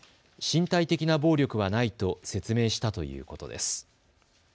身体的な暴力はないと説明したということです。